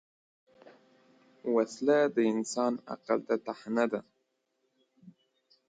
وسله د انسان عقل ته طعنه ده